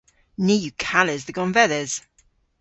Ni yw kales dhe gonvedhes.